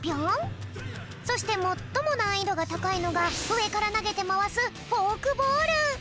そしてもっともなんいどがたかいのがうえからなげてまわすフォークボール。